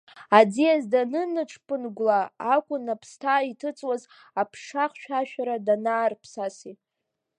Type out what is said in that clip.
Аӡиас данынаҽԥынгәла акәын аԥсҭа иҭыҵуаз аԥша хьшәашәара данаарԥсаси.